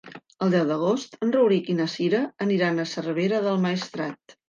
El deu d'agost en Rauric i na Cira aniran a Cervera del Maestrat.